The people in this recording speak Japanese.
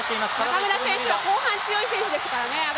中村選手は後半強い選手ですからね。